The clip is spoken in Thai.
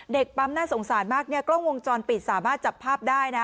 เด็กปั๊มน่าสงสารมากเนี่ยกล้องวงจรปิดสามารถจับภาพได้นะ